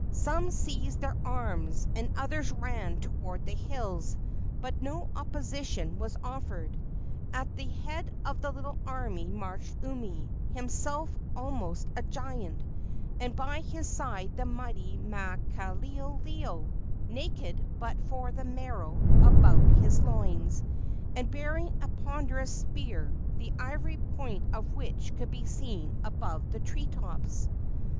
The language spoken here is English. Some seized their arms, and others ran toward the hills, but no opposition was offered. At the head of the little army marched Umi, himself almost a giant, and by his side the mighty Maukaleoleo, naked but for the maro about his loins, and bearing a ponderous spear, the ivory point of which could be seen above the tree tops.